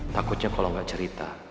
takutnya kalau gak cerita